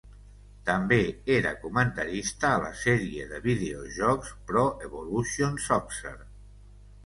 També era comentarista a la sèrie de videojocs "Pro Evolution Soccer".